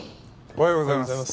おはようございます。